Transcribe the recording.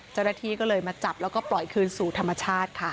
เจ้าหน้าที่ก็เลยมาจับแล้วก็ปล่อยคืนสู่ธรรมชาติค่ะ